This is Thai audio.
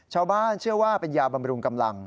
ชาวบ้านเชื่อว่าเป็นยาบำรุงกำลัง